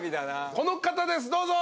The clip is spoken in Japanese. この方ですどうぞ。